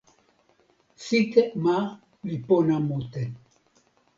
sike ma li pona mute.